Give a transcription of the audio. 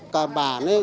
cả bản rất lớn